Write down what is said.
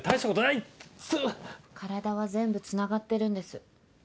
体は全部つながってるんです。